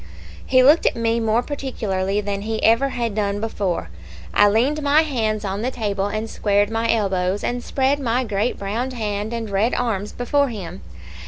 "He looked at me more particularly than he had ever done before. I leaned my hands on the table, and squared my elbows, and spread my great browned hand and red arms before him.